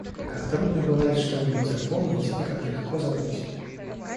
Как трудно бывает что-нибудь запомнить и как легко забыть!